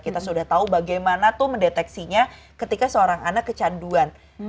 kita sudah tahu bagaimana tuh mendeteksinya ketika seorang anak kecanduan